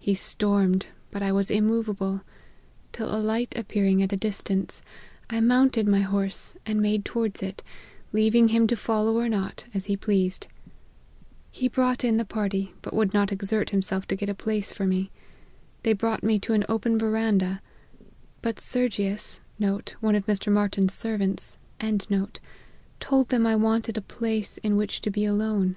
He stormed, but I was immovable ; till, a light appearing at a distance, I mounted my horse and made towards it, leaving him to follow or not, as he pleased. He brought in the party, but would not exert himself to get a place for me. They brought me to an open verandah, but Sergius* told them I wanted a place in which to be alone.